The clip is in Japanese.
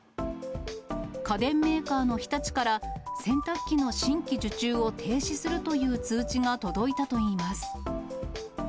家電メーカーの日立から、洗濯機の新規受注を停止するという通知が届いたといいます。